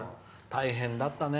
大変だったね。